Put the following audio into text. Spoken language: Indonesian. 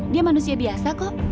dia manusia biasa kok